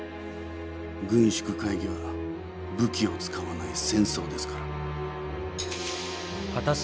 軍縮会議は武器を使わない戦争ですから。